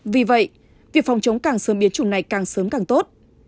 vì vậy việc phòng chống càng sớm biến chủng này càng sớm càng tốt